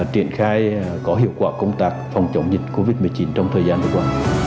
triển khai có hiệu quả công tác phòng chống dịch covid một mươi chín trong thời gian vừa qua